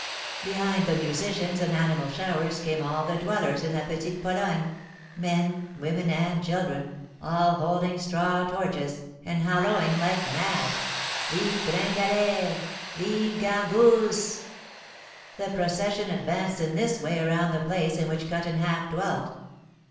Behind the musicians and animal showers came all the dwellers in La Petite Pologne, men, women, and children, all holding straw torches, and halloaing like mad, 'Vive Gringalet! Vive Gargousse!' The procession advanced in this way around the place in which Cut in Half dwelt.